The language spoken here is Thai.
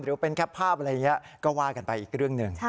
หรือเป็นแคปภาพอะไรอย่างนี้ก็ว่ากันไปอีกเรื่องหนึ่ง